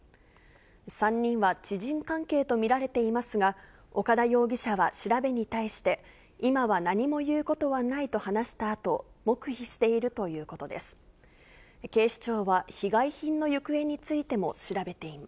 ３人は知人関係と見られていますが、岡田容疑者は調べに対して、今は何も言うことはないと話したある時科学はビタミンとミネラルを発見した。